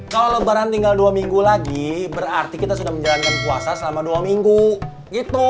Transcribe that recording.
kalau lebaran tinggal dua minggu lagi berarti kita sudah menjalankan puasa selama dua minggu gitu